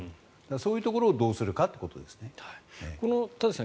そういうところをどうするかということですね。